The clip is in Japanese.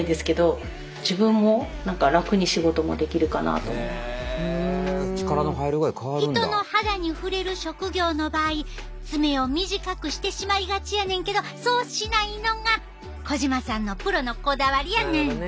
やっぱり人の肌に触れる職業の場合爪を短くしてしまいがちやねんやけどそうしないのが児島さんのプロのこだわりやねん。